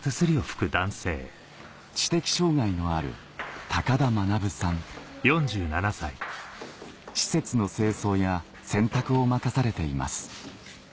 知的障害のある高田学さん施設の清掃や洗濯を任されています